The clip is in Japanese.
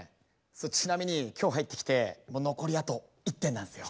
それちなみに今日入ってきてもう残りあと１点なんすよ。